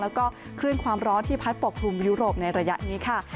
แล้วก็คลื่นความร้อนที่พัดปกคลุมยุโรปในระยะนี้ค่ะ